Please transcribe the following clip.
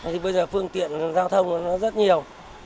thì bây giờ phương tiện giao thông nó rất nhiều